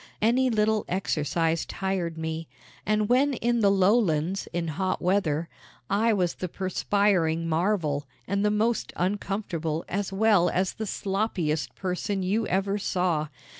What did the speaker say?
Any little exercise tired me; and when in the lowlands in hot weather I was the perspiring marvel and the most uncomfortable as well as the sloppiest person you ever saw.